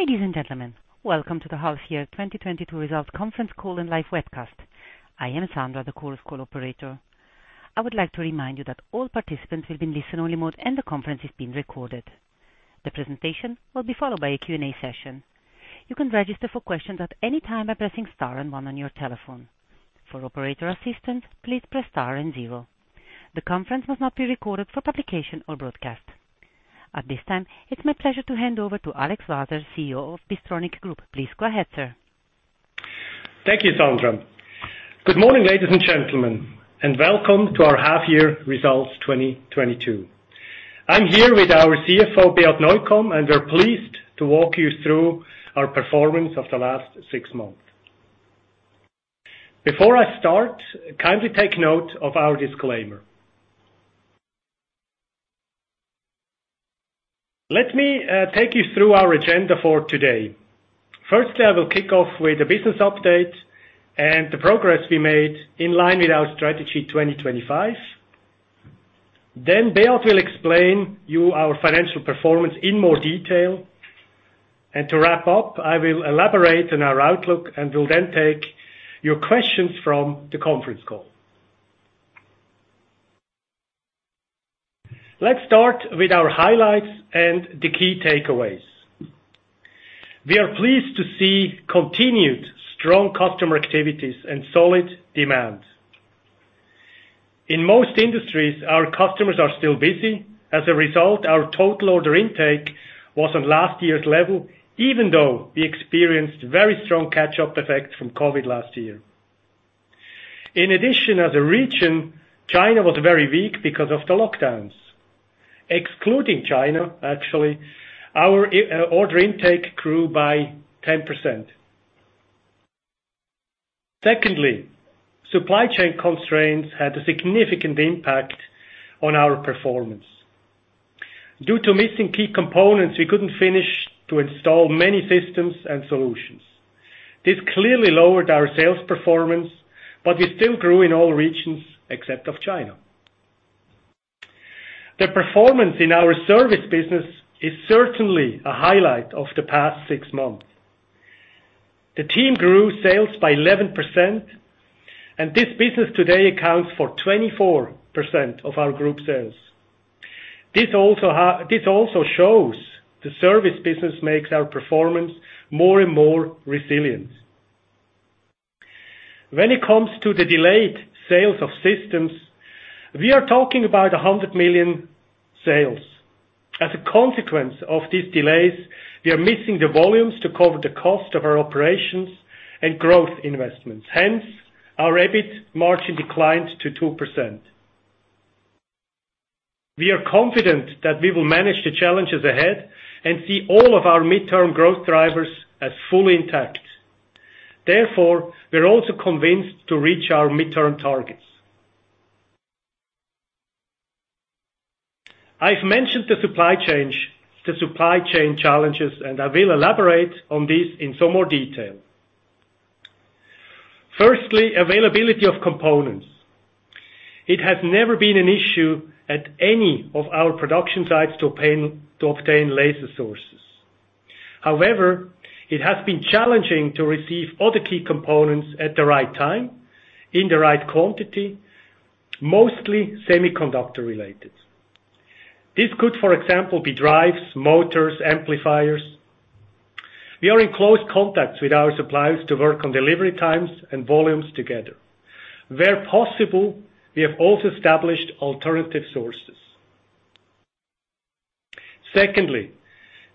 Ladies and gentlemen, welcome to the half-year 2022 results conference call and live webcast. I am Sandra, the Chorus Call operator. I would like to remind you that all participants will be in listen-only mode and the conference is being recorded. The presentation will be followed by a Q&A session. You can register for questions at any time by pressing star and one on your telephone. For operator assistance, please press star and zero. The conference must not be recorded for publication or broadcast. At this time, it's my pleasure to hand over to Alex Waser, CEO of Bystronic Group. Please go ahead, sir. Thank you, Sandra. Good morning, ladies and gentlemen, and welcome to our half year results 2022. I'm here with our CFO, Beat Neukom, and we're pleased to walk you through our performance of the last six months. Before I start, kindly take note of our disclaimer. Let me take you through our agenda for today. Firstly, I will kick off with a business update and the progress we made in line with our Strategy 2025. Then Beat will explain to you our financial performance in more detail. To wrap up, I will elaborate on our outlook and will then take your questions from the conference call. Let's start with our highlights and the key takeaways. We are pleased to see continued strong customer activities and solid demand. In most industries, our customers are still busy. As a result, our total order intake was on last year's level, even though we experienced very strong catch-up effects from COVID last year. In addition, as a region, China was very weak because of the lockdowns. Excluding China, actually, our order intake grew by 10%. Secondly, supply chain constraints had a significant impact on our performance. Due to missing key components, we couldn't finish to install many systems and solutions. This clearly lowered our sales performance, but we still grew in all regions except of China. The performance in our service business is certainly a highlight of the past six months. The team grew sales by 11%, and this business today accounts for 24% of our group sales. This also shows the service business makes our performance more and more resilient. When it comes to the delayed sales of systems, we are talking about 100 million sales. As a consequence of these delays, we are missing the volumes to cover the cost of our operations and growth investments. Hence, our EBIT margin declined to 2%. We are confident that we will manage the challenges ahead and see all of our midterm growth drivers as fully intact. Therefore, we're also convinced to reach our midterm targets. I've mentioned the supply chains, the supply chain challenges, and I will elaborate on this in some more detail. Firstly, availability of components. It has never been an issue at any of our production sites to obtain laser sources. However, it has been challenging to receive other key components at the right time, in the right quantity, mostly semiconductor related. This could, for example, be drives, motors, amplifiers. We are in close contacts with our suppliers to work on delivery times and volumes together. Where possible, we have also established alternative sources. Secondly,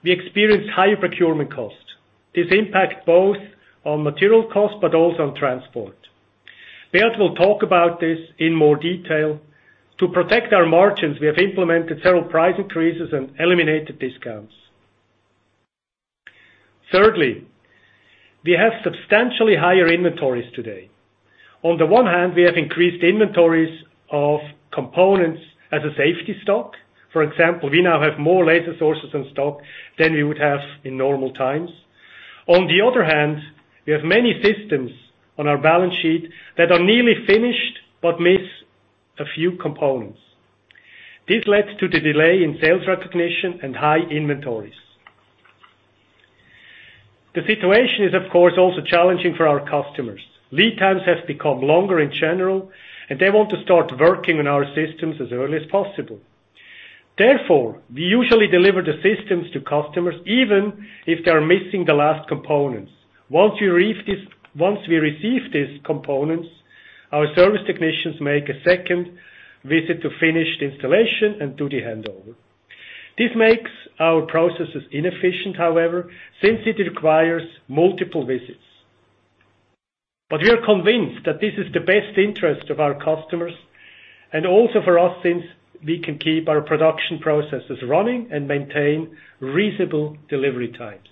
we experience high procurement costs. This impact both on material costs, but also on transport. Beat will talk about this in more detail. To protect our margins, we have implemented several price increases and eliminated discounts. Thirdly, we have substantially higher inventories today. On the one hand, we have increased inventories of components as a safety stock. For example, we now have more laser sources in stock than we would have in normal times. On the other hand, we have many systems on our balance sheet that are nearly finished but miss a few components. This led to the delay in sales recognition and high inventories. The situation is, of course, also challenging for our customers. Lead times have become longer in general, and they want to start working on our systems as early as possible. Therefore, we usually deliver the systems to customers even if they are missing the last components. Once we receive these components, our service technicians make a second visit to finish the installation and do the handover. This makes our processes inefficient, however, since it requires multiple visits. We are convinced that this is the best interest of our customers and also for us, since we can keep our production processes running and maintain reasonable delivery times.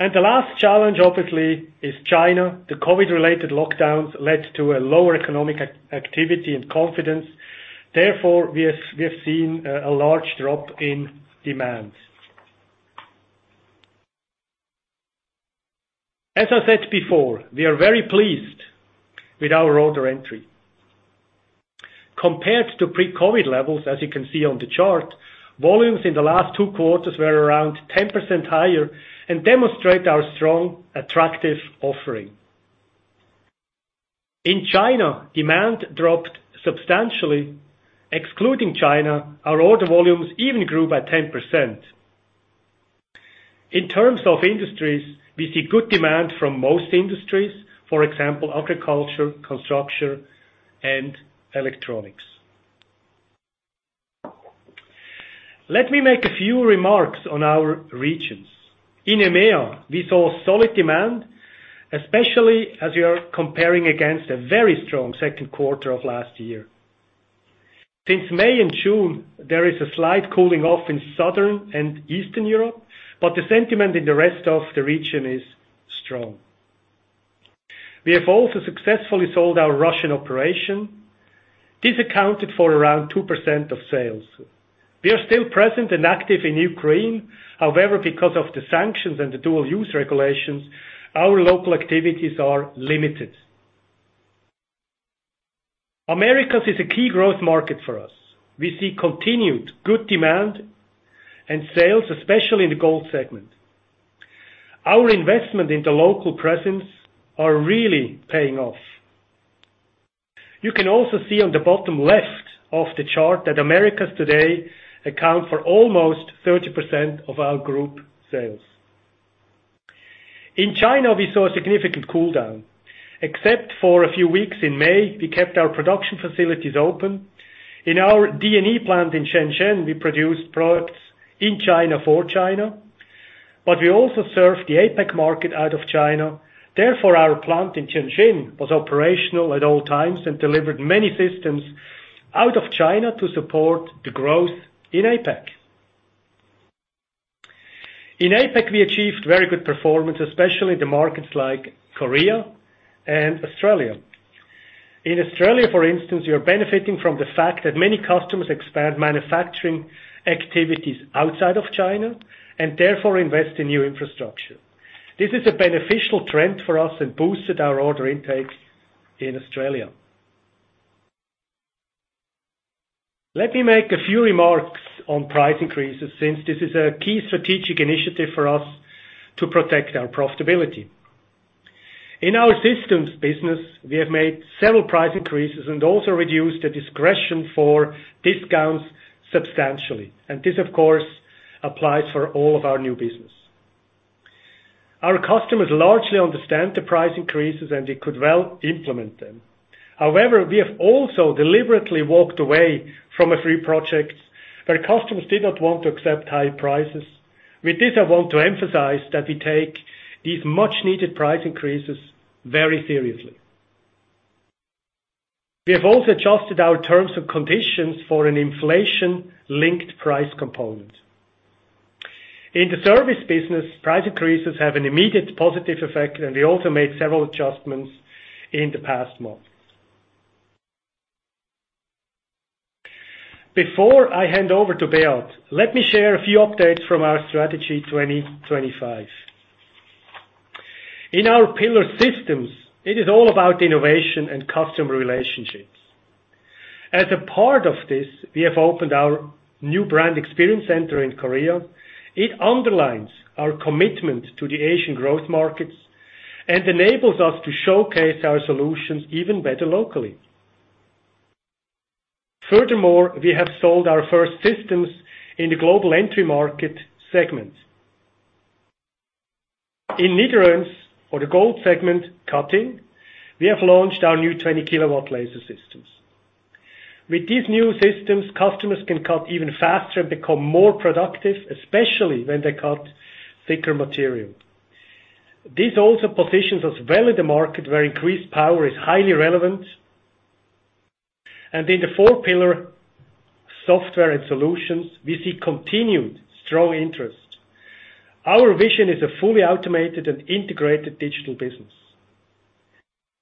The last challenge, obviously, is China. The COVID-related lockdowns led to a lower economic activity and confidence. Therefore, we have seen a large drop in demand. As I said before, we are very pleased with our order entry. Compared to pre-COVID levels, as you can see on the chart, volumes in the last two quarters were around 10% higher and demonstrate our strong, attractive offering. In China, demand dropped substantially. Excluding China, our order volumes even grew by 10%. In terms of industries, we see good demand from most industries, for example, agriculture, construction, and electronics. Let me make a few remarks on our regions. In EMEA, we saw solid demand, especially as we are comparing against a very strong second quarter of last year. Since May and June, there is a slight cooling off in Southern and Eastern Europe, but the sentiment in the rest of the region is strong. We have also successfully sold our Russian operation. This accounted for around 2% of sales. We are still present and active in Ukraine. However, because of the sanctions and the dual-use regulations, our local activities are limited. Americas is a key growth market for us. We see continued good demand and sales, especially in the gold segment. Our investment in the local presence are really paying off. You can also see on the bottom left of the chart that Americas today account for almost 30% of our group sales. In China, we saw a significant cool down. Except for a few weeks in May, we kept our production facilities open. In our DNE plant in Shenzhen, we produced products in China for China, but we also served the APAC market out of China. Therefore, our plant in Shenzhen was operational at all times and delivered many systems out of China to support the growth in APAC. In APAC, we achieved very good performance, especially in the markets like Korea and Australia. In Australia, for instance, we are benefiting from the fact that many customers expand manufacturing activities outside of China, and therefore invest in new infrastructure. This is a beneficial trend for us and boosted our order intakes in Australia. Let me make a few remarks on price increases, since this is a key strategic initiative for us to protect our profitability. In our systems business, we have made several price increases and also reduced the discretion for discounts substantially. This, of course, applies for all of our new business. Our customers largely understand the price increases, and we could well implement them. However, we have also deliberately walked away from a few projects where customers did not want to accept high prices. With this, I want to emphasize that we take these much needed price increases very seriously. We have also adjusted our terms and conditions for an inflation-linked price component. In the service business, price increases have an immediate positive effect, and we also made several adjustments in the past month. Before I hand over to Beat, let me share a few updates from our Strategy 2025. In our pillar systems, it is all about innovation and customer relationships. As a part of this, we have opened our new Brand Experience Center in Korea. It underlines our commitment to the Asian growth markets and enables us to showcase our solutions even better locally. Furthermore, we have sold our first systems in the global entry market segments. In mid-range or the gold segment cutting, we have launched our new 20 kilowatt laser systems. With these new systems, customers can cut even faster and become more productive, especially when they cut thicker material. This also positions us well in the market where increased power is highly relevant. In the fourth pillar, software and solutions, we see continued strong interest. Our vision is a fully automated and integrated digital business.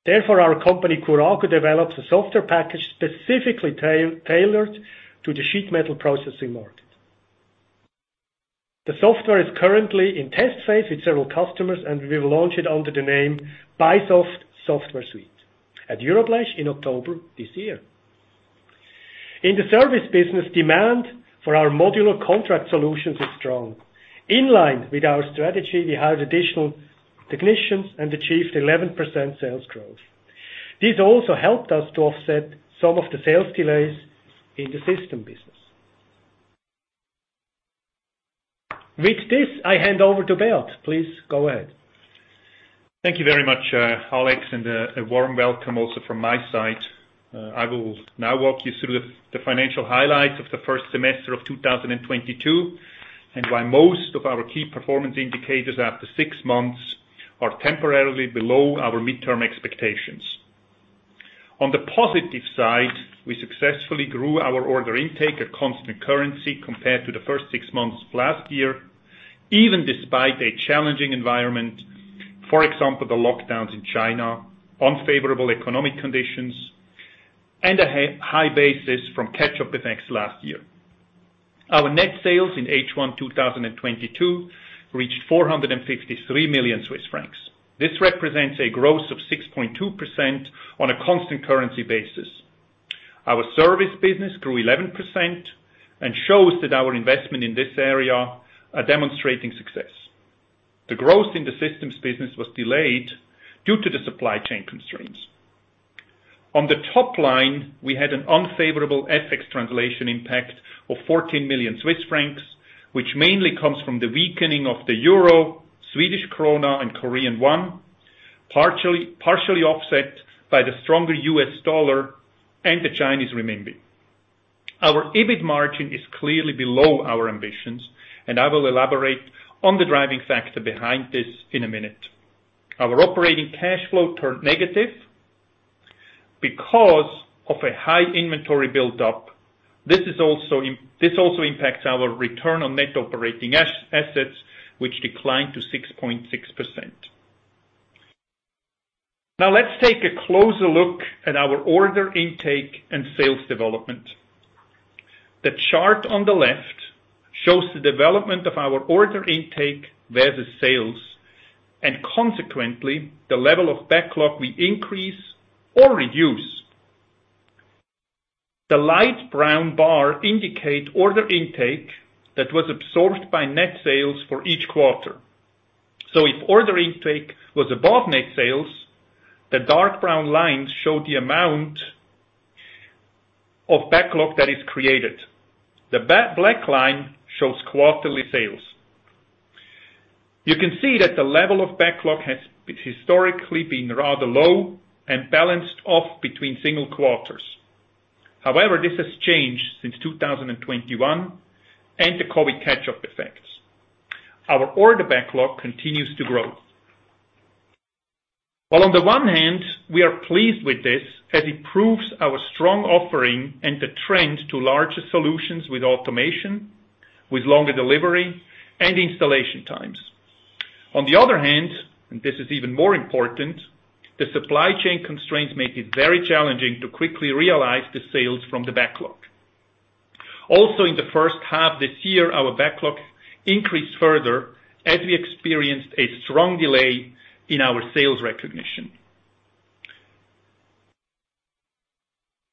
Therefore, our company, Kurago, develops a software package specifically tailored to the sheet metal processing market. The software is currently in test phase with several customers, and we will launch it under the name BySoft Software Suite at EuroBLECH in October this year. In the service business, demand for our modular contract solutions is strong. In line with our strategy, we hired additional technicians and achieved 11% sales growth. This also helped us to offset some of the sales delays in the system business. With this, I hand over to Beat. Please go ahead. Thank you very much, Alex, and a warm welcome also from my side. I will now walk you through the financial highlights of the first semester of 2022, and why most of our key performance indicators after six months are temporarily below our midterm expectations. On the positive side, we successfully grew our order intake at constant currency compared to the first six months of last year, even despite a challenging environment, for example, the lockdowns in China, unfavorable economic conditions, and a high basis from catch-up effects last year. Our net sales in H1 2022 reached 453 million Swiss francs. This represents a growth of 6.2% on a constant currency basis. Our service business grew 11% and shows that our investment in this area are demonstrating success. The growth in the systems business was delayed due to the supply chain constraints. On the top line, we had an unfavorable FX translation impact of 14 million Swiss francs, which mainly comes from the weakening of the euro, Swedish krona and Korean won, partially offset by the stronger U.S. dollar and the Chinese renminbi. Our EBIT margin is clearly below our ambitions, and I will elaborate on the driving factor behind this in a minute. Our operating cash flow turned negative because of a high inventory buildup. This also impacts our return on net operating assets, which declined to 6.6%. Now let's take a closer look at our order intake and sales development. The chart on the left shows the development of our order intake versus sales and consequently the level of backlog we increase or reduce. The light brown bar indicate order intake that was absorbed by net sales for each quarter. If order intake was above net sales, the dark brown lines show the amount of backlog that is created. The black line shows quarterly sales. You can see that the level of backlog has historically been rather low and balanced out between single quarters. However, this has changed since 2021 and the COVID catch-up effects. Our order backlog continues to grow. While on the one hand we are pleased with this as it proves our strong offering and the trend to larger solutions with automation, with longer delivery and installation times. On the other hand, and this is even more important, the supply chain constraints make it very challenging to quickly realize the sales from the backlog. In the first half this year, our backlog increased further as we experienced a strong delay in our sales recognition.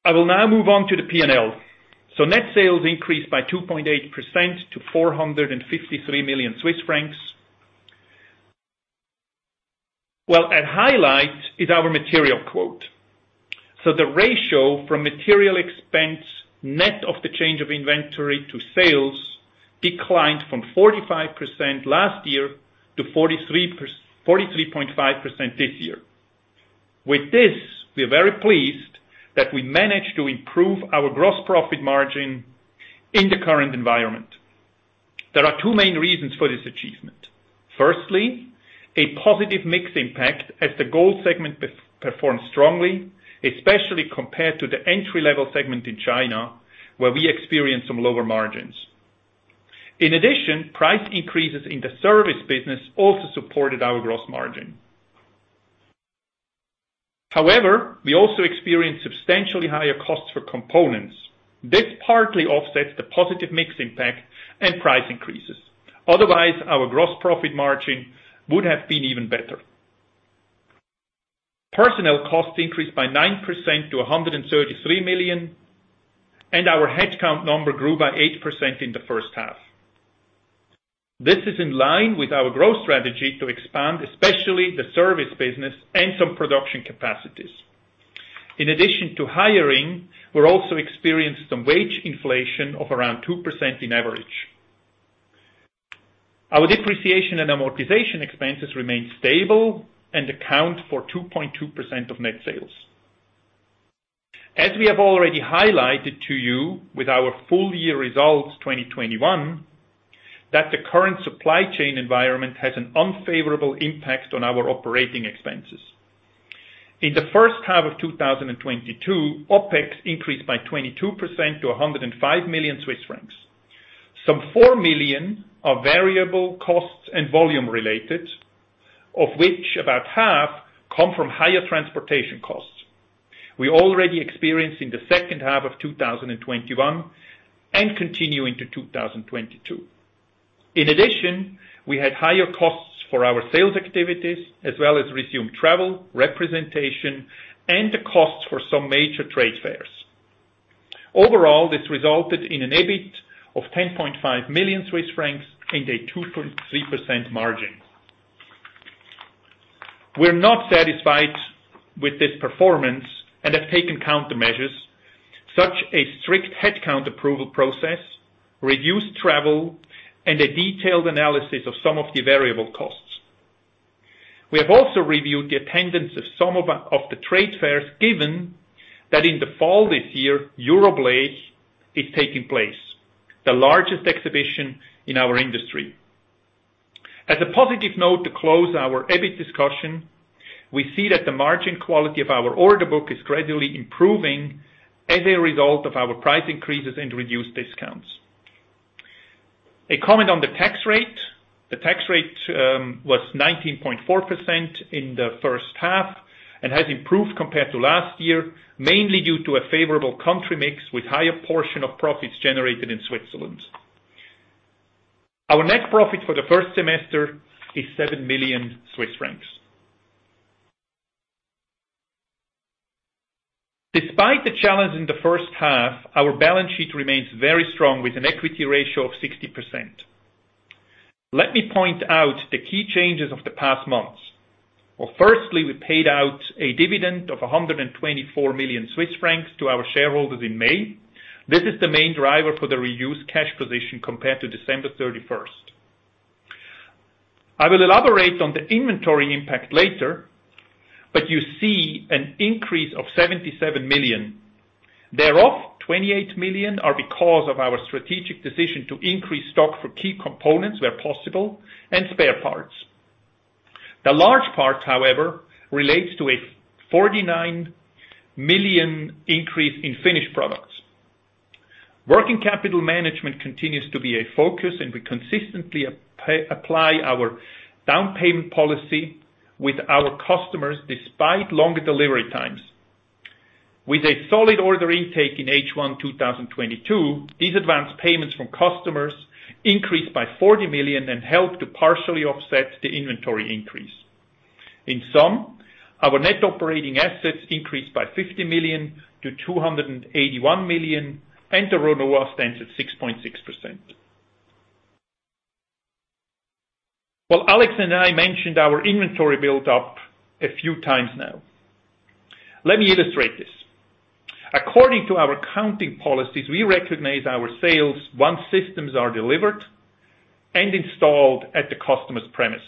I will now move on to the P&L. Net sales increased by 2.8% to 453 million Swiss francs. A highlight is our material quote. The ratio from material expense, net of the change of inventory to sales declined from 45% last year to 43.5% this year. With this, we are very pleased that we managed to improve our gross profit margin in the current environment. There are two main reasons for this achievement. Firstly, a positive mix impact as the gold segment performs strongly, especially compared to the entry-level segment in China, where we experience some lower margins. In addition, price increases in the service business also supported our gross margin. However, we also experienced substantially higher costs for components. This partly offsets the positive mix impact and price increases. Otherwise, our gross profit margin would have been even better. Personnel costs increased by 9% to 133 million, and our headcount number grew by 8% in the first half. This is in line with our growth strategy to expand, especially the service business and some production capacities. In addition to hiring, we're also experiencing some wage inflation of around 2% on average. Our depreciation and amortization expenses remain stable and account for 2.2% of net sales. As we have already highlighted to you with our full year results 2021. That the current supply chain environment has an unfavorable impact on our operating expenses. In the first half of 2022, OpEx increased by 22% to 105 million Swiss francs. Some 4 million are variable costs and volume related, of which about half come from higher transportation costs. We already experienced in the second half of 2021 and continue into 2022. In addition, we had higher costs for our sales activities as well as resumed travel, representation, and the costs for some major trade fairs. Overall, this resulted in an EBIT of 10.5 million Swiss francs and a 2.3% margin. We're not satisfied with this performance and have taken countermeasures, such as a strict headcount approval process, reduced travel, and a detailed analysis of some of the variable costs. We have also reviewed the attendance of some of the trade fairs given that in the fall this year EuroBLECH is taking place, the largest exhibition in our industry. As a positive note, to close our EBIT discussion, we see that the margin quality of our order book is gradually improving as a result of our price increases and reduced discounts. A comment on the tax rate. The tax rate was 19.4% in the first half and has improved compared to last year, mainly due to a favorable country mix with higher portion of profits generated in Switzerland. Our net profit for the first semester is 7 million Swiss francs. Despite the challenge in the first half, our balance sheet remains very strong with an equity ratio of 60%. Let me point out the key changes of the past months. Well, firstly, we paid out a dividend of 124 million Swiss francs to our shareholders in May. This is the main driver for the reduced cash position compared to December 31. I will elaborate on the inventory impact later, but you see an increase of 77 million. Thereof, 28 million are because of our strategic decision to increase stock for key components where possible and spare parts. The large parts, however, relates to a 49 million increase in finished products. Working capital management continues to be a focus, and we consistently apply our down payment policy with our customers despite longer delivery times. With a solid order intake in H1 2022, these advanced payments from customers increased by 40 million and helped to partially offset the inventory increase. In sum, our net operating assets increased by 50 million to 281 million, and the ROA stands at 6.6%. Well, Alex and I mentioned our inventory build up a few times now. Let me illustrate this. According to our accounting policies, we recognize our sales once systems are delivered and installed at the customer's premise.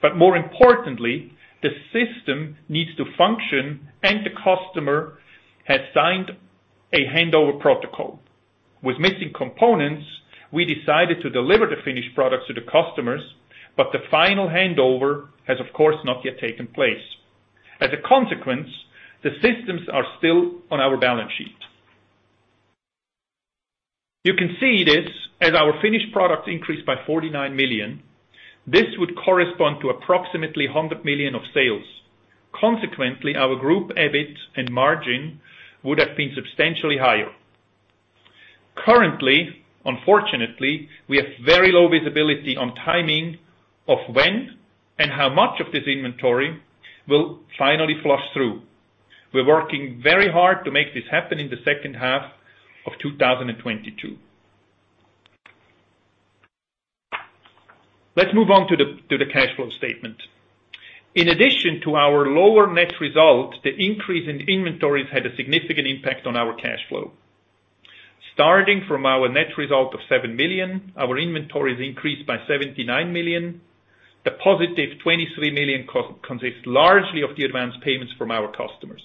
But more importantly, the system needs to function and the customer has signed a handover protocol. With missing components, we decided to deliver the finished product to the customers, but the final handover has, of course, not yet taken place. As a consequence, the systems are still on our balance sheet. You can see this as our finished product increased by 49 million. This would correspond to approximately 100 million of sales. Consequently, our group EBIT and margin would have been substantially higher. Currently, unfortunately, we have very low visibility on timing of when and how much of this inventory will finally flush through. We're working very hard to make this happen in the second half of 2022. Let's move on to the cash flow statement. In addition to our lower net result, the increase in inventories had a significant impact on our cash flow. Starting from our net result of 7 million, our inventories increased by 79 million. The positive 23 million consists largely of the advanced payments from our customers.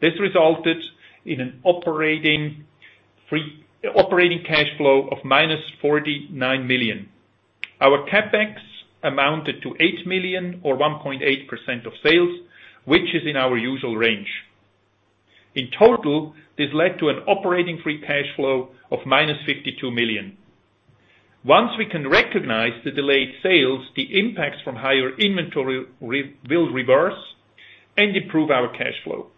This resulted in an operating cash flow of -49 million. Our CapEx amounted to 8 million or 1.8% of sales, which is in our usual range. In total, this led to an operating free cash flow of -52 million. Once we can recognize the delayed sales, the impacts from higher inventory will reverse and improve our cash flow.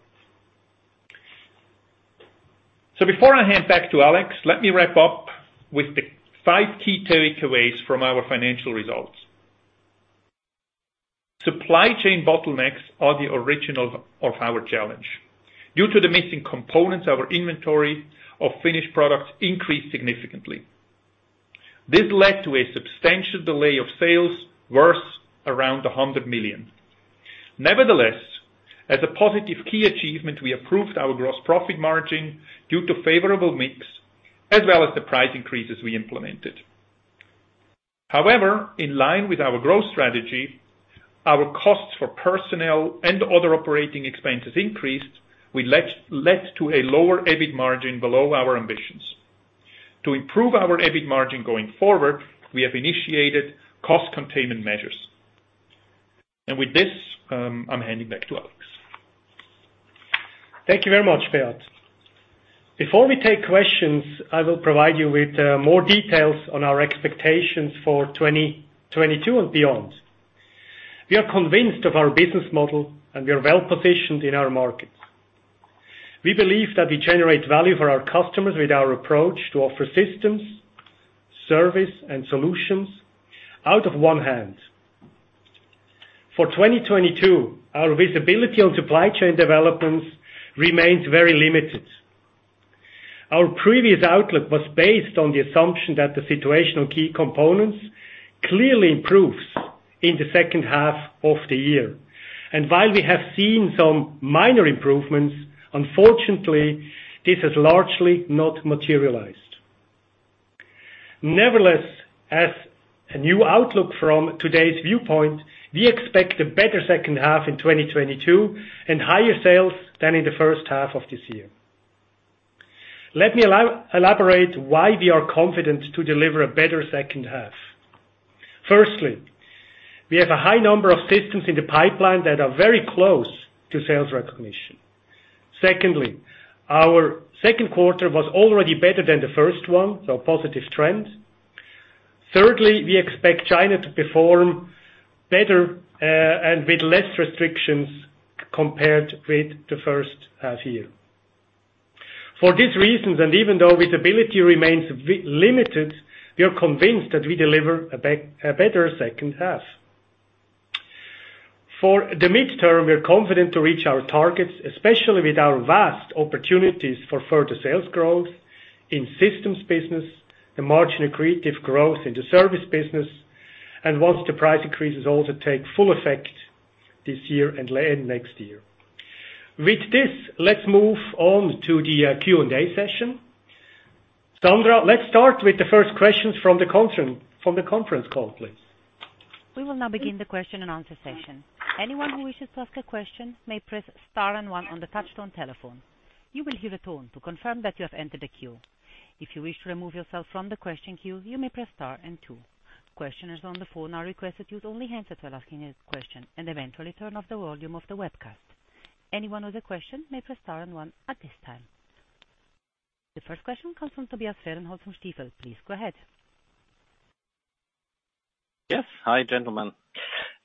Before I hand back to Alex, let me wrap up with the five key takeaways from our financial results. Supply chain bottlenecks are the origin of our challenge. Due to the missing components, our inventory of finished products increased significantly. This led to a substantial delay of sales, worth around 100 million. Nevertheless, as a positive key achievement, we improved our gross profit margin due to favorable mix, as well as the price increases we implemented. However, in line with our growth strategy, our costs for personnel and other operating expenses increased, which led to a lower EBIT margin below our ambitions. To improve our EBIT margin going forward, we have initiated cost containment measures. With this, I'm handing back to Alex. Thank you very much, Beat. Before we take questions, I will provide you with more details on our expectations for 2022 and beyond. We are convinced of our business model, and we are well-positioned in our markets. We believe that we generate value for our customers with our approach to offer systems, service, and solutions out of one hand. For 2022, our visibility on supply chain developments remains very limited. Our previous outlook was based on the assumption that the situation on key components clearly improves in the second half of the year. While we have seen some minor improvements, unfortunately, this has largely not materialized. Nevertheless, as a new outlook from today's viewpoint, we expect a better second half in 2022 and higher sales than in the first half of this year. Let me elaborate why we are confident to deliver a better second half. Firstly, we have a high number of systems in the pipeline that are very close to sales recognition. Secondly, our second quarter was already better than the first one, so a positive trend. Thirdly, we expect China to perform better, and with less restrictions compared with the first half year. For these reasons, and even though visibility remains limited, we are convinced that we deliver a better second half. For the midterm, we are confident to reach our targets, especially with our vast opportunities for further sales growth in systems business, the margin accretive growth in the service business, and once the price increases also take full effect this year and late next year. With this, let's move on to the Q&A session. Sandra, let's start with the first questions from the conference call, please. We will now begin the question and answer session. Anyone who wishes to ask a question may press star and one on the touchtone telephone. You will hear a tone to confirm that you have entered the queue. If you wish to remove yourself from the question queue, you may press star and two. Questioners on the phone are requested to use only handset until asking a question and eventually turn off the volume of the webcast. Anyone with a question may press star and one at this time. The first question comes from Tobias Fahrenholz from Stifel. Please go ahead. Yes. Hi, gentlemen.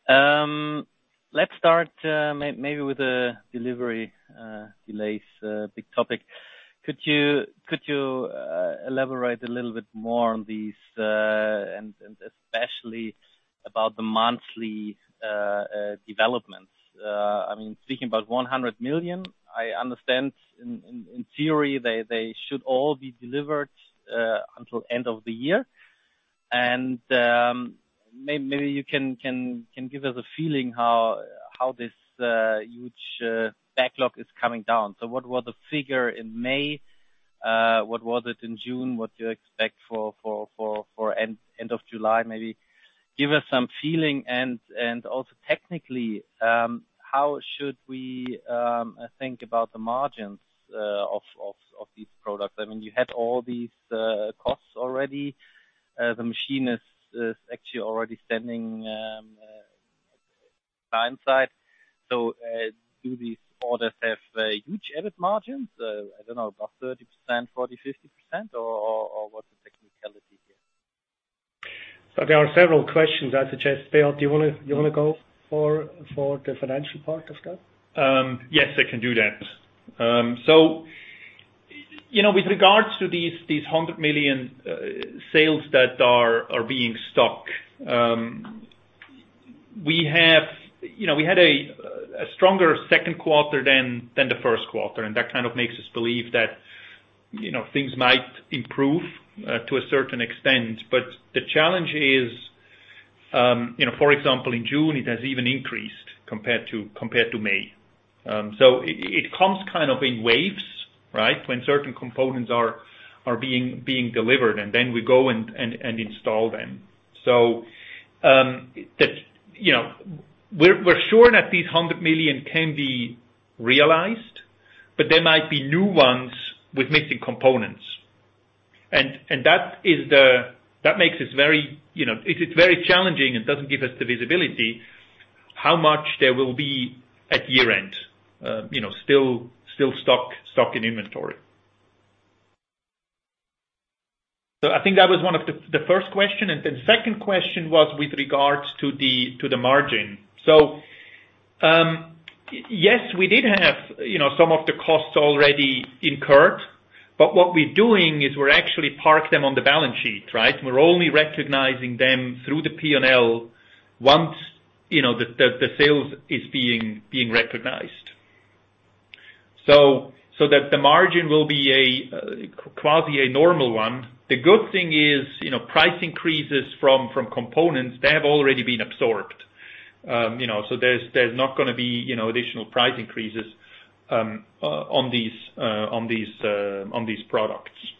Let's start maybe with the delivery delays, big topic. Could you elaborate a little bit more on these, and especially about the monthly developments? I mean, speaking about 100 million, I understand in theory they should all be delivered until end of the year. Maybe you can give us a feeling how this huge backlog is coming down. What was the figure in May? What was it in June? What do you expect for end of July? Maybe give us some feeling and also technically, how should we think about the margins of these products? I mean, you had all these costs already. The machine is actually already standing client-side. Do these orders have huge EBIT margins? I don't know, about 30%, 40%, 50%, or what's the technicality here? There are several questions. I suggest, Beat, do you wanna go for the financial part of that? Yes, I can do that. You know, with regards to these 100 million sales that are being stuck, you know, we had a stronger second quarter than the first quarter, and that kind of makes us believe that, you know, things might improve to a certain extent. The challenge is, you know, for example, in June, it has even increased compared to May. It comes kind of in waves, right? When certain components are being delivered, and then we go and install them. You know, we're sure that these 100 million can be realized, but there might be new ones with missing components. That makes us very, you know. It's just very challenging and doesn't give us the visibility, how much there will be at year-end, still stock in inventory. I think that was one of the first question, and then second question was with regards to the margin. Yes, we did have, you know, some of the costs already incurred, but what we're doing is we actually park them on the balance sheet, right? We're only recognizing them through the P&L once, you know, the sales is being recognized. That the margin will be quasi a normal one. The good thing is, you know, price increases from components, they have already been absorbed. You know, so there's not gonna be, you know, additional price increases on these products.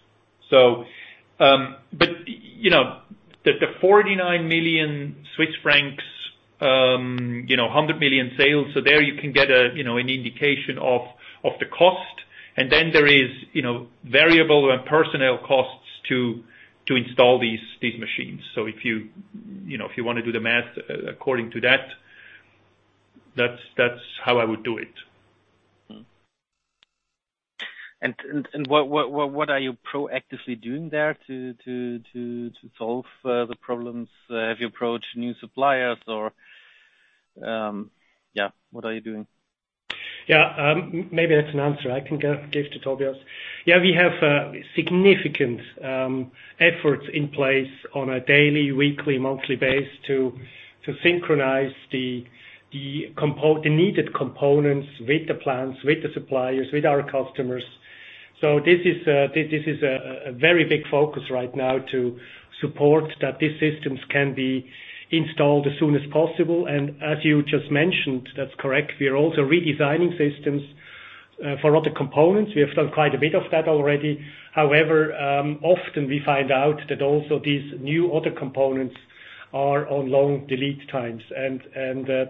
you know, the 49 million Swiss francs, you know, 100 million sales, there you can get a, you know, an indication of the cost. Then there is, you know, variable and personnel costs to install these machines. If you know, if you wanna do the math according to that's how I would do it. Mm-hmm. What are you proactively doing there to solve the problems? Have you approached new suppliers? Yeah, what are you doing? Yeah, maybe that's an answer I can give to Tobias. Yeah, we have significant efforts in place on a daily, weekly, monthly basis to synchronize the needed components with the plants, with the suppliers, with our customers. This is a very big focus right now to support that these systems can be installed as soon as possible. As you just mentioned, that's correct. We are also redesigning systems for other components. We have done quite a bit of that already. However, often we find out that also these new other components are on long lead times and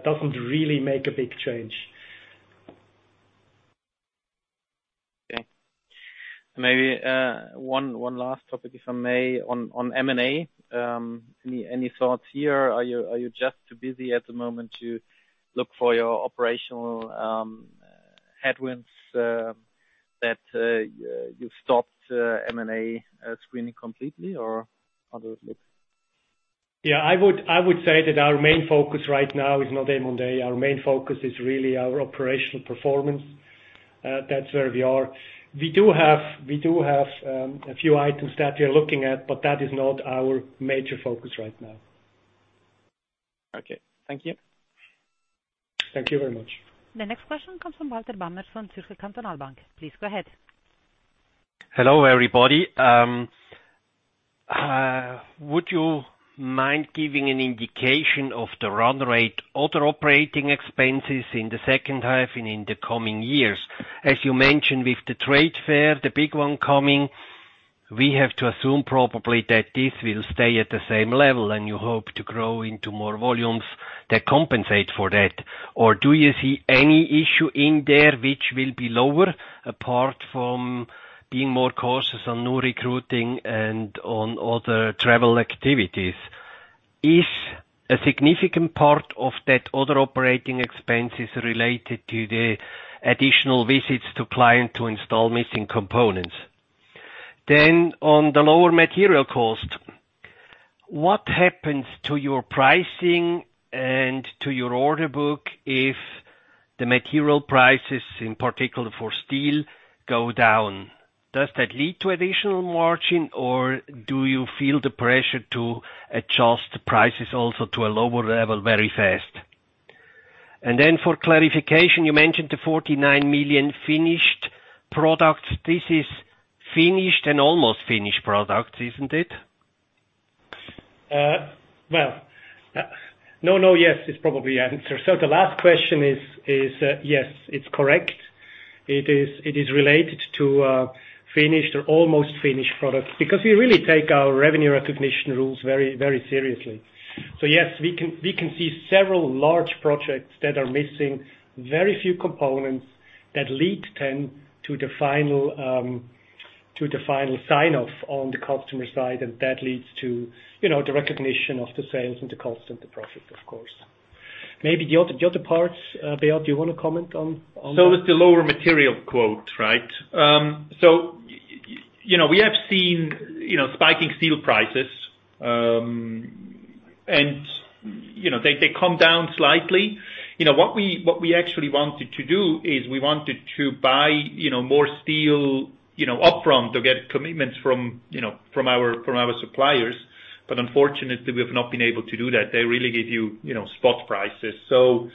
doesn't really make a big change. Maybe one last topic, if I may, on M&A. Any thoughts here? Are you just too busy at the moment to look for your operational headwinds that you stopped M&A screening completely or how does it look? Yeah. I would say that our main focus right now is not M&A. Our main focus is really our operational performance. That's where we are. We do have a few items that we are looking at, but that is not our major focus right now. Okay. Thank you. Thank you very much. The next question comes from Walter Bamert, Zürcher Kantonalbank. Please go ahead. Hello, everybody. Would you mind giving an indication of the run rate, other operating expenses in the second half and in the coming years? As you mentioned, with the trade fair, the big one coming, we have to assume probably that this will stay at the same level, and you hope to grow into more volumes that compensate for that. Or do you see any issue in there which will be lower, apart from being more cautious on new recruiting and on other travel activities? Is a significant part of that other operating expenses related to the additional visits to clients to install missing components? Then on the lower material cost, what happens to your pricing and to your order book if the material prices, in particular for steel, go down? Does that lead to additional margin, or do you feel the pressure to adjust the prices also to a lower level very fast? For clarification, you mentioned the 49 million finished products. This is finished and almost finished products, isn't it? Well, no. Yes is probably the answer. The last question is yes, it's correct. It is related to finished or almost finished products, because we really take our revenue recognition rules very, very seriously. Yes, we can see several large projects that are missing very few components that lead then to the final sign-off on the customer side, and that leads to, you know, the recognition of the sales and the cost of the project, of course. Maybe the other parts, Beat, do you want to comment on that? With the lower material quote, right? You know, we have seen, you know, spiking steel prices, and, you know, they come down slightly. You know, what we actually wanted to do is we wanted to buy, you know, more steel, you know, upfront to get commitments from, you know, from our suppliers. Unfortunately, we have not been able to do that. They really give you know, spot prices. You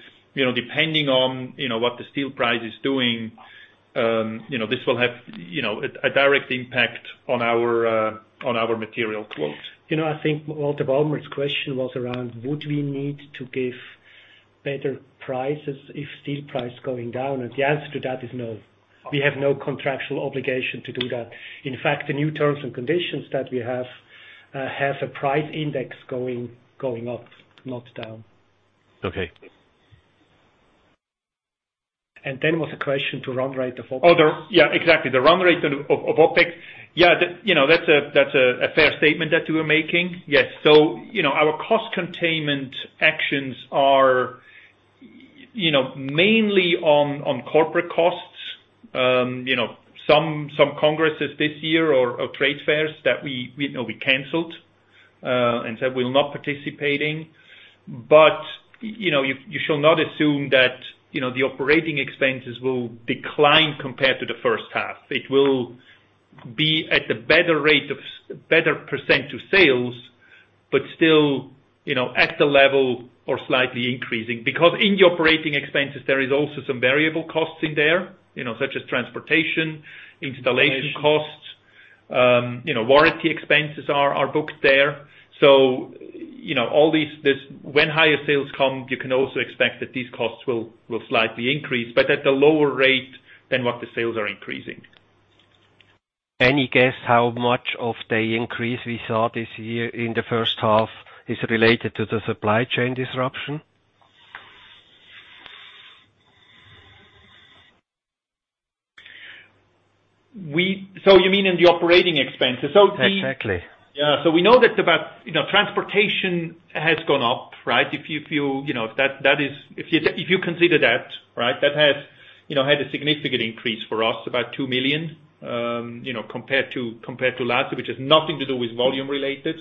know, depending on, you know, what the steel price is doing, you know, this will have, you know, a direct impact on our, on our material quotes. You know, I think Walter Bamert's question was around, would we need to give better prices if steel price going down? The answer to that is no. We have no contractual obligation to do that. In fact, the new terms and conditions that we have have a price index going up, not down. Okay. Was the question to run rate of OpEx. Yeah, exactly. The run rate of OpEx. Yeah. You know, that's a fair statement that you were making. Yes. You know, our cost containment actions are, you know, mainly on corporate costs. You know, some congresses this year or trade fairs that we, you know, canceled and said we'll not participate in. You know, you shall not assume that, you know, the operating expenses will decline compared to the first half. It will be at a better rate of better percent to sales, but still, you know, at the level or slightly increasing. Because in the operating expenses, there is also some variable costs in there, you know, such as transportation, installation costs, you know, warranty expenses are booked there. You know, all these, this when higher sales come, you can also expect that these costs will slightly increase, but at a lower rate than what the sales are increasing. Any guess how much of the increase we saw this year in the first half is related to the supply chain disruption? You mean in the operating expenses? Exactly. Yeah. We know that about, you know, transportation has gone up, right? If you consider that, right? That has, you know, had a significant increase for us, about 2 million, you know, compared to last, which has nothing to do with volume related.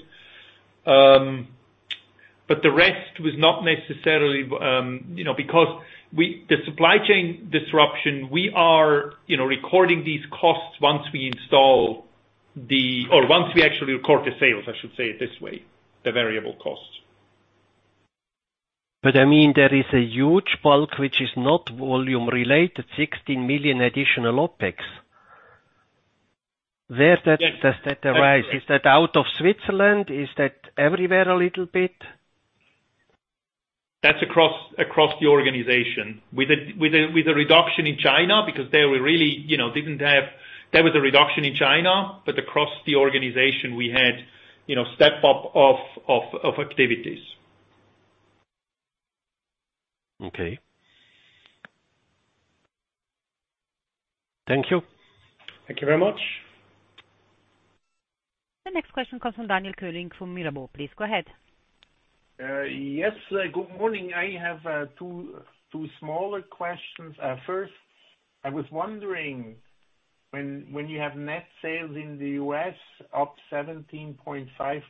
But the rest was not necessarily, you know, because the supply chain disruption, we are, you know, recording these costs once we actually record the sales, I should say it this way, the variable costs. I mean, there is a huge bulk, which is not volume-related, 16 million additional OpEx. Where that, does that arise? Is that out of Switzerland? Is that everywhere a little bit? That's across the organization. There was a reduction in China, but across the organization, we had, you know, step up of activities. Okay. Thank you. Thank you very much. The next question comes from Daniel Koenig from Mirabaud. Please go ahead. Yes, good morning. I have two smaller questions. First, I was wondering when you have net sales in the U.S. up 17.5%,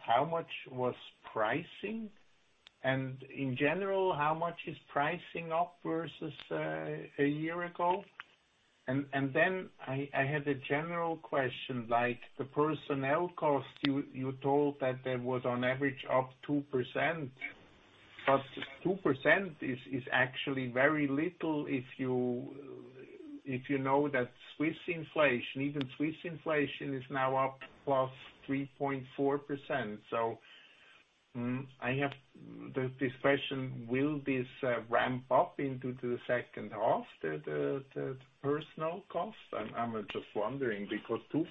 how much was pricing? And in general, how much is pricing up versus a year ago? And then I had a general question, like the personnel cost, you told that there was on average up 2%, but 2% is actually very little if you know that Swiss inflation, even Swiss inflation is now up +3.4%. So, I have this question, will this ramp up into the second half, the personnel cost? I'm just wondering because 2%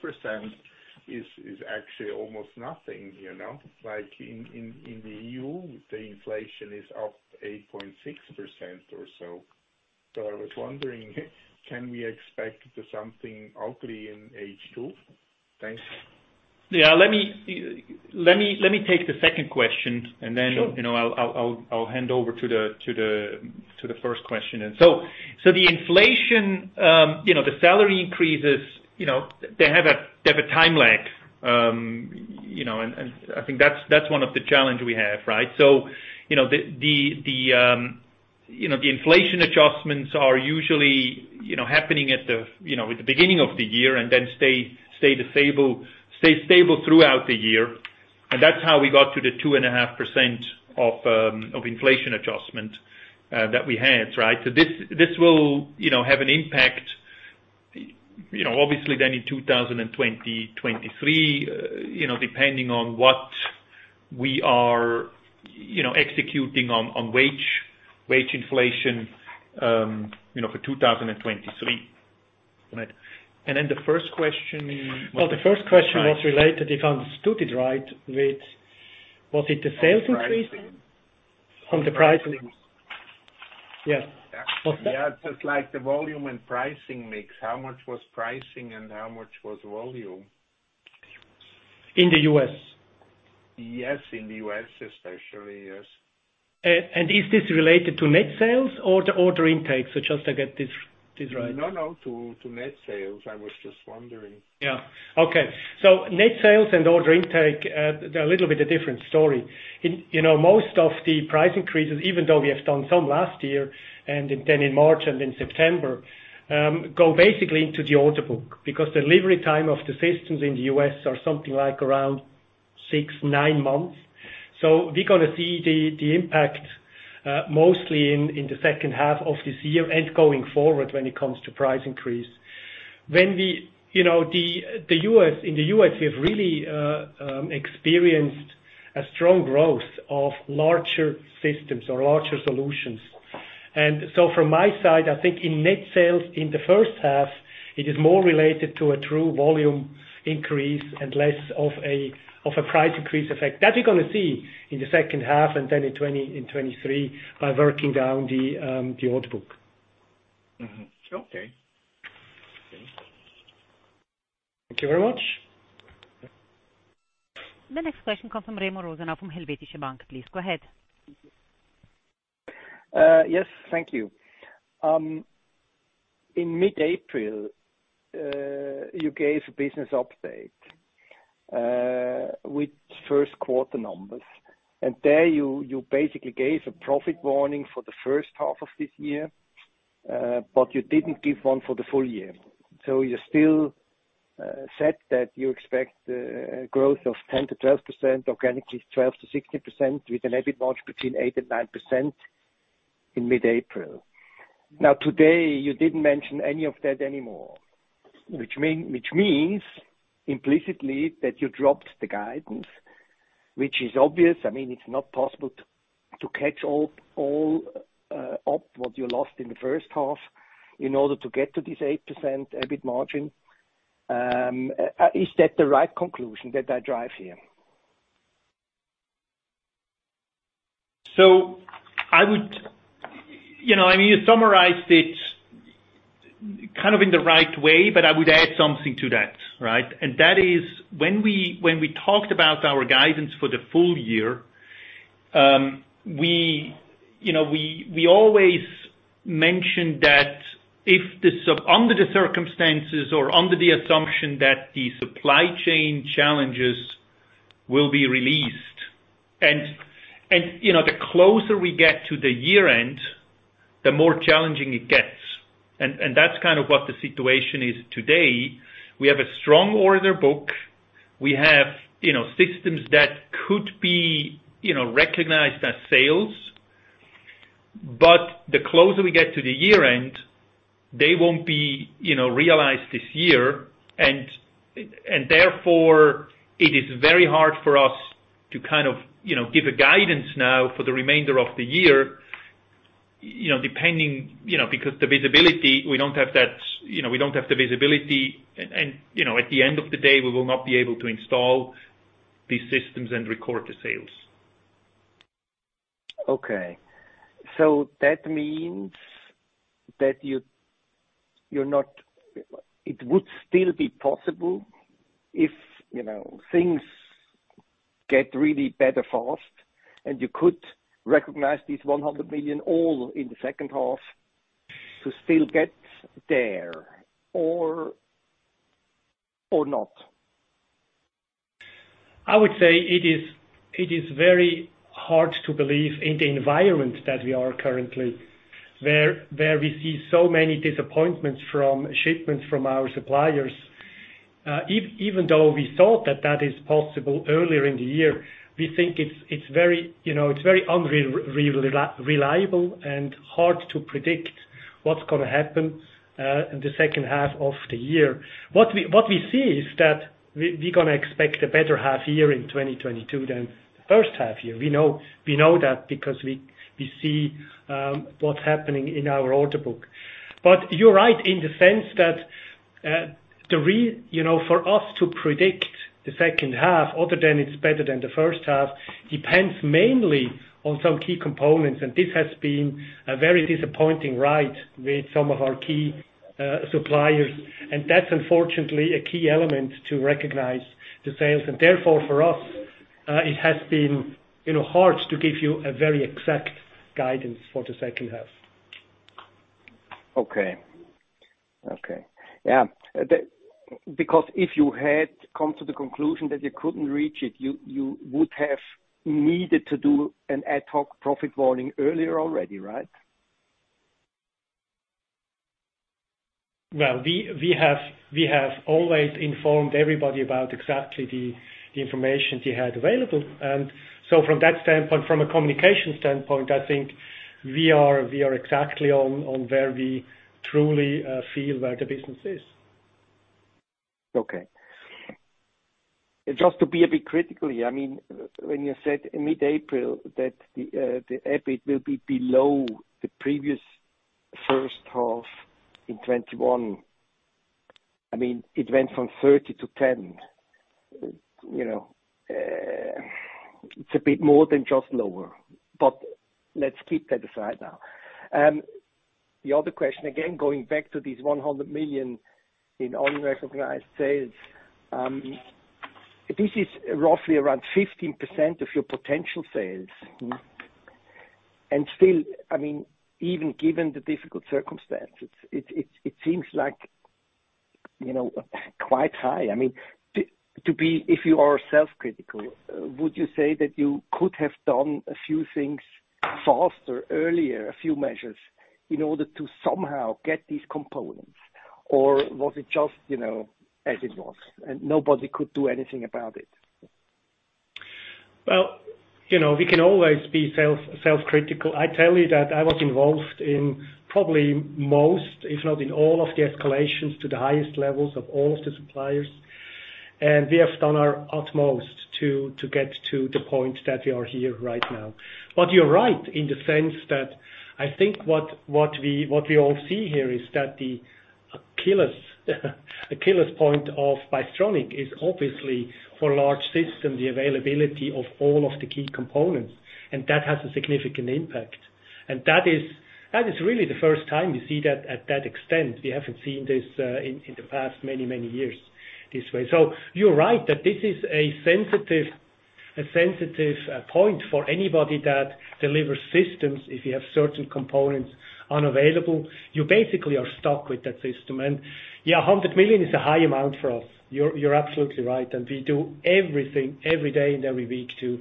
is actually almost nothing, you know? Like, in the EU, the inflation is up 8.6% or so. I was wondering, can we expect something ugly in H2? Thanks. Yeah, let me take the second question. Sure. I'll hand over to the first question. The inflation, the salary increases, they have a time lag, and I think that's one of the challenge we have, right? The inflation adjustments are usually happening at the beginning of the year and then stay stable throughout the year. That's how we got to the 2.5% of inflation adjustment that we had, right? This will, you know, have an impact, you know, obviously then in 2023, you know, depending on what we are, you know, executing on wage inflation, you know, for 2023. Right. The first question. Well, the first question was related, if I understood it right, with, was it the sales increase? On the pricing. On the pricing. Yes. Yeah. What's that? Yeah, just like the volume and pricing mix. How much was pricing and how much was volume? In the U.S. Yes, in the U.S. especially, yes. Is this related to net sales or the order intake? Just to get this right. No, to net sales. I was just wondering. Yeah. Okay. Net sales and order intake, they're a little bit a different story. You know, most of the price increases, even though we have done some last year and then in March and in September, go basically into the order book because delivery time of the systems in the U.S. are something like around six to nine months. We're gonna see the impact mostly in the second half of this year and going forward when it comes to price increase. You know, in the U.S., we have really experienced a strong growth of larger systems or larger solutions. From my side, I think in net sales in the first half, it is more related to a true volume increase and less of a price increase effect. That we're gonna see in the second half and then in 2020 and 2023 by working down the order book. Mm-hmm. Sure. Okay. Thank you very much. The next question comes from Remo Rosenau from Helvetische Bank. Please go ahead. Yes. Thank you. In mid-April, you gave a business update with first quarter numbers. There you basically gave a profit warning for the first half of this year, but you didn't give one for the full year. You still said that you expect growth of 10%-12%, organically 12%-16% with an EBIT margin between 8%-9% in mid-April. Now, today, you didn't mention any of that anymore, which means implicitly that you dropped the guidance, which is obvious. I mean, it's not possible to catch all up what you lost in the first half in order to get to this 8% EBIT margin. Is that the right conclusion that I derive here? I would. You know, I mean, you summarized it kind of in the right way, but I would add something to that, right? That is when we talked about our guidance for the full year, we, you know, we always mentioned that if under the circumstances or under the assumption that the supply chain challenges will be released. You know, the closer we get to the year-end, the more challenging it gets. That's kind of what the situation is today. We have a strong order book. We have, you know, systems that could be, you know, recognized as sales. But the closer we get to the year-end, they won't be, you know, realized this year. Therefore, it is very hard for us to kind of, you know, give a guidance now for the remainder of the year, you know, depending, you know, because the visibility, we don't have that, you know, we don't have the visibility and, you know, at the end of the day, we will not be able to install. These systems and record the sales. Okay. That means it would still be possible if, you know, things get really better fast, and you could recognize these 100 million all in the second half to still get there or not? I would say it is very hard to believe in the environment that we are currently, where we see so many disappointments from shipments from our suppliers. Even though we thought that is possible earlier in the year, we think it's very, you know, it's very unreliable and hard to predict what's gonna happen in the second half of the year. What we see is that we gonna expect a better half year in 2022 than the first half year. We know that because we see what's happening in our order book. You're right in the sense that, you know, for us to predict the second half other than it's better than the first half, depends mainly on some key components, and this has been a very disappointing ride with some of our key suppliers. That's unfortunately a key element to recognize the sales. Therefore, for us, it has been, you know, hard to give you a very exact guidance for the second half. Okay. Yeah. Because if you had come to the conclusion that you couldn't reach it, you would have needed to do an ad hoc profit warning earlier already, right? Well, we have always informed everybody about exactly the information we had available. From that standpoint, from a communication standpoint, I think we are exactly on where we truly feel where the business is. Okay. Just to be a bit critical, I mean, when you said in mid-April that the EBIT will be below the previous first half in 2021, I mean, it went from 30 million to 10 million. You know, it's a bit more than just lower. Let's keep that aside now. The other question, again, going back to these 100 million in unrecognized sales, this is roughly around 15% of your potential sales. Mm-hmm. Still, I mean, even given the difficult circumstances, it seems like, you know, quite high. I mean, if you are self-critical, would you say that you could have done a few things faster, earlier, a few measures in order to somehow get these components? Or was it just, you know, as it was, and nobody could do anything about it? Well, you know, we can always be self-critical. I tell you that I was involved in probably most, if not in all of the escalations to the highest levels of all of the suppliers, and we have done our utmost to get to the point that we are here right now. You're right in the sense that I think what we all see here is that the killers point of Bystronic is obviously for large system, the availability of all of the key components, and that has a significant impact. That is really the first time you see that at that extent. We haven't seen this in the past many years this way. You're right that this is a sensitive point for anybody that delivers systems. If you have certain components unavailable, you basically are stuck with that system. Yeah, 100 million is a high amount for us. You're absolutely right. We do everything every day and every week to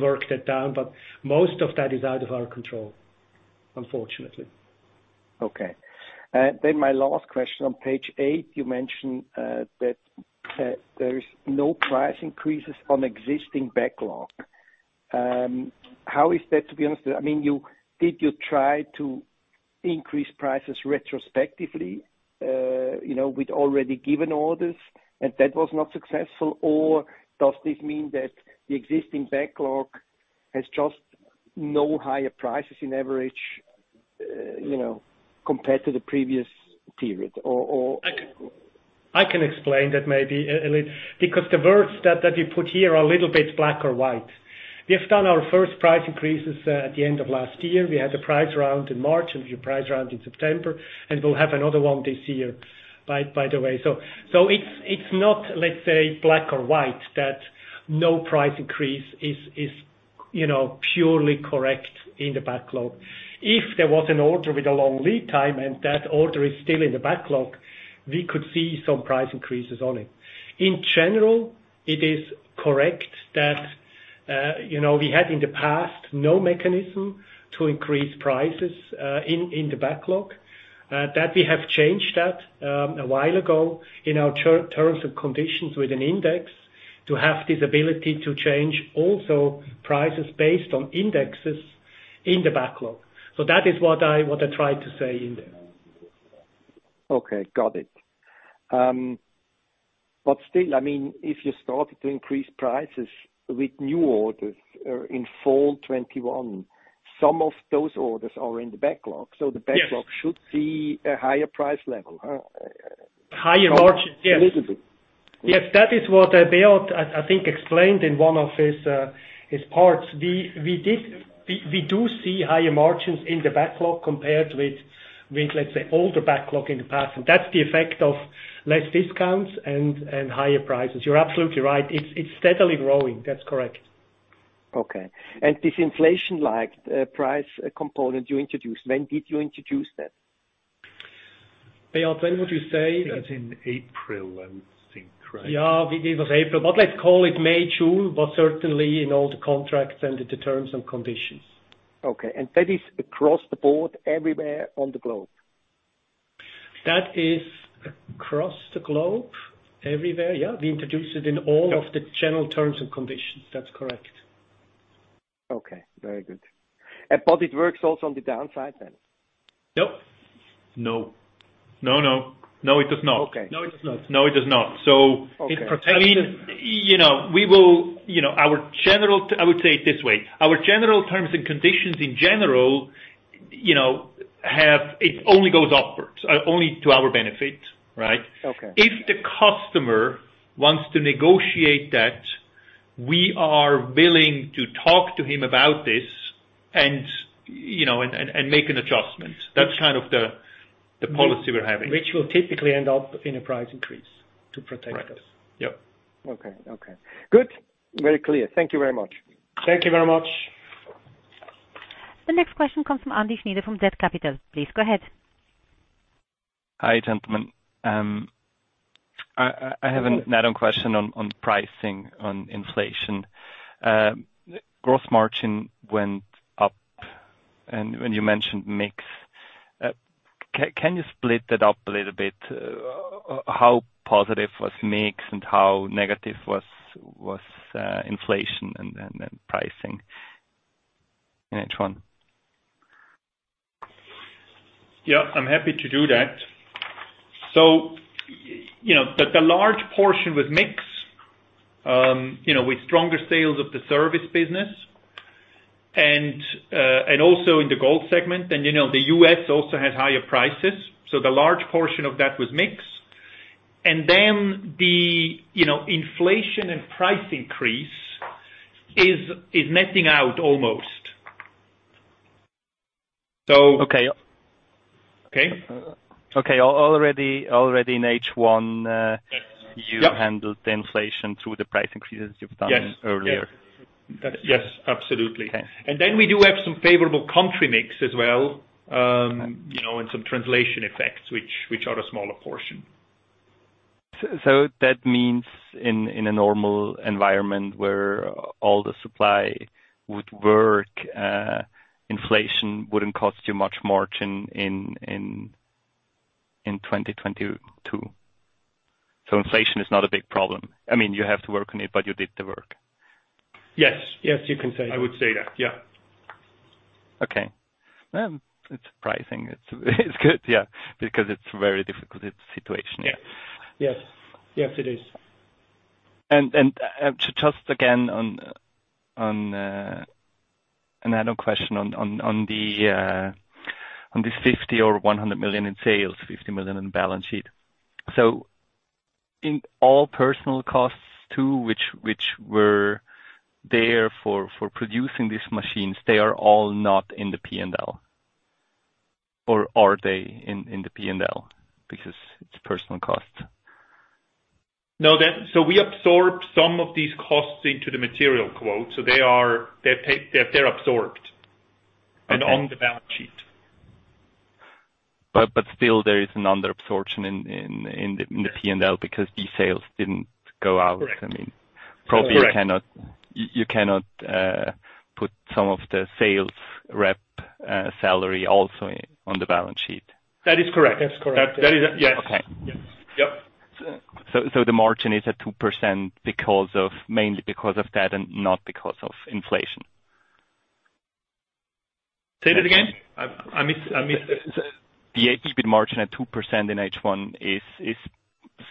work that down, but most of that is out of our control, unfortunately. Okay. My last question. On page eight, you mentioned that there is no price increases on existing backlog. How is that to be understood? I mean, did you try to increase prices retrospectively with already given orders, and that was not successful, or does this mean that the existing backlog has just no higher prices on average compared to the previous period? I can explain that maybe, Eli, because the words that you put here are a little bit black or white. We have done our first price increases at the end of last year. We had a price round in March and we have a price round in September, and we'll have another one this year, by the way. It's not, let's say, black or white, that no price increase is you know purely correct in the backlog. If there was an order with a long lead time and that order is still in the backlog, we could see some price increases on it. In general, it is correct that, you know, we had in the past no mechanism to increase prices in the backlog, that we have changed that a while ago in our terms and conditions with an index to have this ability to change also prices based on indexes in the backlog. That is what I tried to say in there. Okay, got it. Still, I mean, if you started to increase prices with new orders in fall 2021, some of those orders are in the backlog. Yes. The backlog should see a higher price level, huh? Higher margin. Yes. Yes, that is what, Beat, I think explained in one of his parts. We do see higher margins in the backlog compared with, let's say, older backlog in the past. That's the effect of less discounts and higher prices. You're absolutely right. It's steadily growing. That's correct. Okay. This inflation like, price, component you introduced, when did you introduce that? Beat, when would you say that It's in April, I think. Right? Yeah, it was April, but let's call it May, June, but certainly in all the contracts and the terms and conditions. Okay. That is across the board everywhere on the globe? That is across the globe everywhere. Yeah, we introduced it in all- Okay. of the general terms and conditions. That's correct. Okay. Very good. It works also on the downside then? Nope. No, it does not. Okay. No, it does not. Okay. It protects. You know, I would say it this way, our general terms and conditions in general, you know, have it only goes upwards, only to our benefit, right? Okay. If the customer wants to negotiate that, we are willing to talk to him about this and, you know, make an adjustment. That's kind of the policy we're having. Which will typically end up in a price increase to protect us. Right. Yep. Okay. Good. Very clear. Thank you very much. Thank you very much. The next question comes from Andy Schneider from Desk Capital. Please go ahead. Hi, gentlemen. I have another question on pricing, on inflation. Gross margin went up and when you mentioned mix, can you split that up a little bit, how positive was mix and how negative was inflation and pricing in H1? Yeah, I'm happy to do that. The large portion with mix, with stronger sales of the service business and also in the gold segment, and the U.S. also has higher prices, so the large portion of that was mix. The inflation and price increase is netting out almost. Okay. Okay. Okay. Already in H1. Yes. Yep. You handled the inflation through the price increases you've done. Yes. -earlier. Yes, absolutely. Okay. We do have some favorable country mix as well, you know, and some translation effects which are a smaller portion. That means in a normal environment where all the supply would work, inflation wouldn't cost you much margin in 2022. Inflation is not a big problem. I mean, you have to work on it, but you did the work. Yes. Yes, you can say that. I would say that. Yeah. Okay. It's surprising. It's good. Yeah, because it's very difficult situation. Yeah. Yes. Yes, it is. To just again on another question on the 50 million or 100 million in sales, 50 million in balance sheet. In all personnel costs too, which were there for producing these machines, they are all not in the P&L. Or are they in the P&L because it's personnel costs? No, we absorb some of these costs into the material quote, so they are absorbed. Okay. on the balance sheet. Still there is another absorption in the P&L because these sales didn't go out. Correct. I mean. Correct. Probably you cannot put some of the sales rep salary also on the balance sheet. That is correct. That's correct. That is. Yes. Okay. Yes. Yep. The margin is at 2% mainly because of that and not because of inflation. Say that again. I missed it. The EBIT margin at 2% in H1 is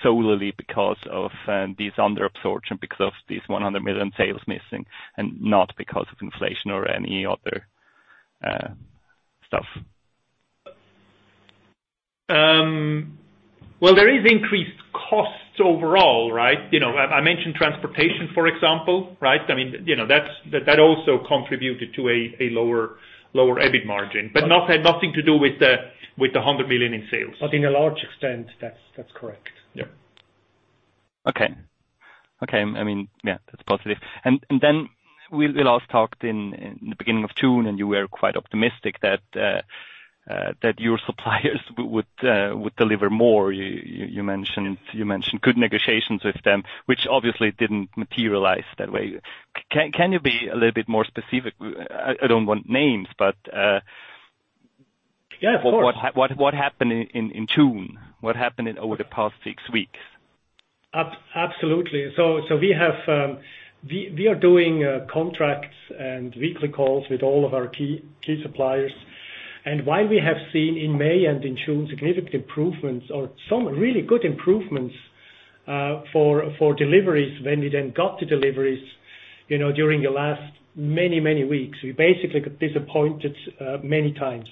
solely because of these under absorption, because of these 100 million sales missing and not because of inflation or any other stuff. Well, there is increased costs overall, right? You know, I mentioned transportation, for example, right? I mean, you know, that also contributed to a lower EBIT margin. Okay. had nothing to do with the 100 million in sales. In a large extent, that's correct. Yeah. Okay. I mean, yeah, that's positive. Then we last talked in the beginning of June, and you were quite optimistic that your suppliers would deliver more. You mentioned good negotiations with them, which obviously didn't materialize that way. Can you be a little bit more specific? I don't want names, but Yeah, of course. What happened in June? What happened over the past six weeks? Absolutely. We are doing contracts and weekly calls with all of our key suppliers. While we have seen in May and in June significant improvements or some really good improvements for deliveries, when we then got to deliveries, you know, during the last many weeks, we basically got disappointed many times.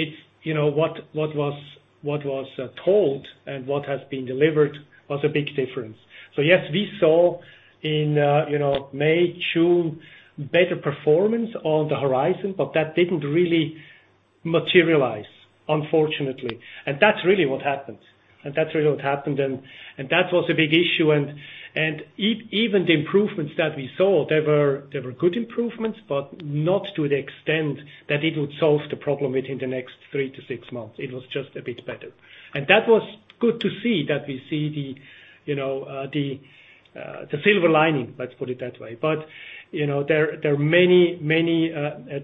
It's, you know, what was told and what has been delivered was a big difference. Yes, we saw in, you know, May, June, better performance on the horizon, but that didn't really materialize, unfortunately. That's really what happened, and that was a big issue. Even the improvements that we saw, they were good improvements, but not to the extent that it would solve the problem within the next three to six months. It was just a bit better. That was good to see that we see the, you know, the silver lining, let's put it that way. You know, there are many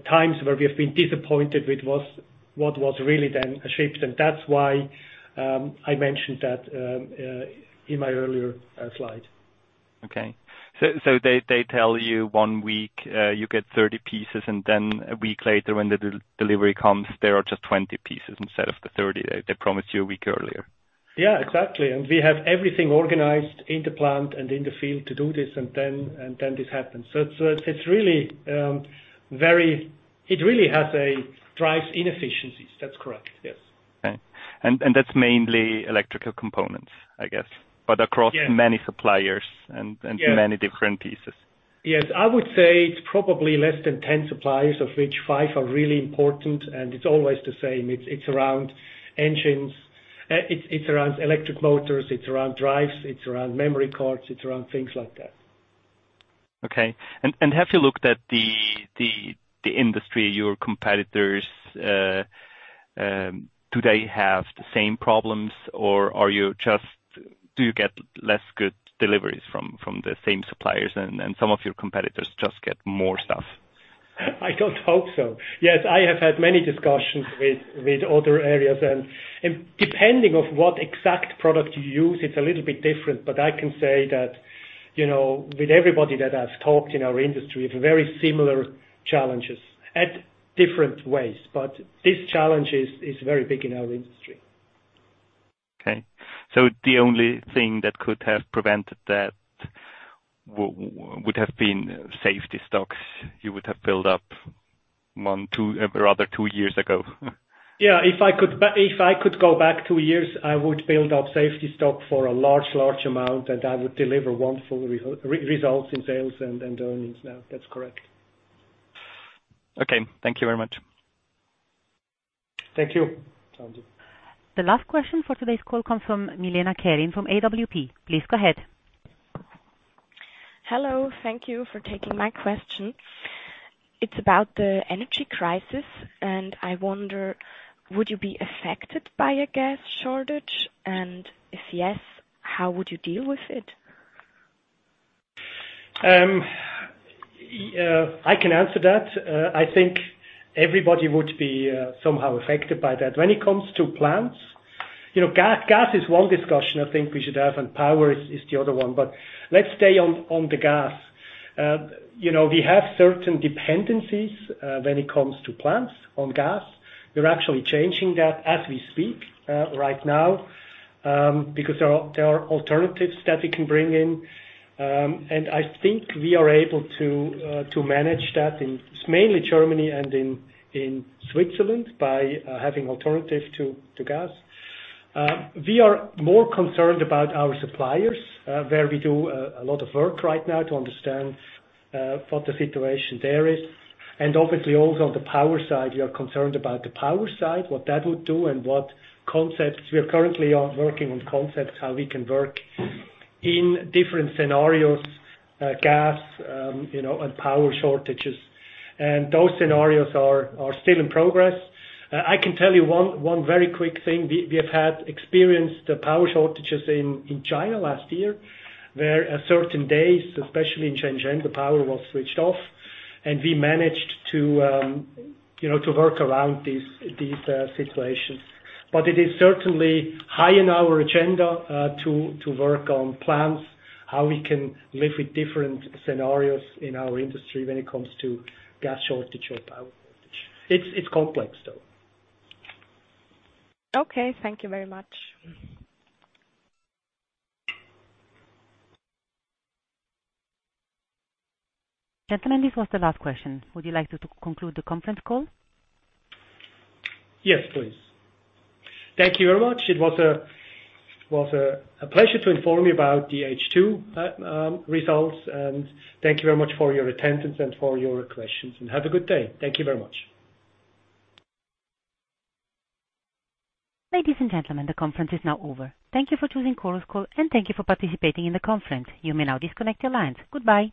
times where we have been disappointed with what was really then achieved, and that's why I mentioned that in my earlier slide. They tell you one week you get 30 pieces, and then a week later when the delivery comes, there are just 20 pieces instead of the 30 they promised you a week earlier? Yeah, exactly. We have everything organized in the plant and in the field to do this, and then this happens. It really drives inefficiencies. That's correct. Yes. Okay. That's mainly electrical components, I guess. Yes. Across many suppliers. Yes. Many different pieces. Yes. I would say it's probably less than 10 suppliers of which five are really important, and it's always the same. It's around engines. It's around electric motors, it's around drives, it's around memory cards, it's around things like that. Okay. Have you looked at the industry, your competitors, do they have the same problems or do you get less good deliveries from the same suppliers and some of your competitors just get more stuff? I don't hope so. Yes, I have had many discussions with other areas, and depending on what exact product you use, it's a little bit different. I can say that, you know, with everybody that I've talked in our industry, we have very similar challenges at different ways. This challenge is very big in our industry. Okay. The only thing that could have prevented that would have been safety stocks you would have built up one, two, or rather two years ago? Yeah. If I could go back two years, I would build up safety stock for a large amount, and I would deliver wonderful results in sales and earnings now. That's correct. Okay. Thank you very much. Thank you, Andy. The last question for today's call comes from Milena Kälin from AWP. Please go ahead. Hello. Thank you for taking my question. It's about the energy crisis, and I wonder, would you be affected by a gas shortage? And if yes, how would you deal with it? Yeah, I can answer that. I think everybody would be somehow affected by that. When it comes to plants, you know, gas is one discussion I think we should have, and power is the other one. Let's stay on the gas. You know, we have certain dependencies when it comes to plants on gas. We're actually changing that as we speak right now because there are alternatives that we can bring in, and I think we are able to manage that in mainly Germany and in Switzerland by having alternative to gas. We are more concerned about our suppliers where we do a lot of work right now to understand what the situation there is. Obviously also on the power side, we are concerned about the power side, what that would do and what concepts. We are currently working on concepts, how we can work in different scenarios, gas, you know, and power shortages. Those scenarios are still in progress. I can tell you one very quick thing. We have had experienced the power shortages in China last year, where at certain days, especially in Shenzhen, the power was switched off and we managed to, you know, to work around these situations. It is certainly high in our agenda to work on plans, how we can live with different scenarios in our industry when it comes to gas shortage or power outage. It's complex, though. Okay. Thank you very much. Gentlemen, this was the last question. Would you like to conclude the conference call? Yes, please. Thank you very much. It was a pleasure to inform you about the H2 results, and thank you very much for your attendance and for your questions, and have a good day. Thank you very much. Ladies and gentlemen, the conference is now over. Thank you for choosing Chorus Call, and thank you for participating in the conference. You may now disconnect your lines. Goodbye.